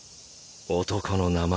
男の名前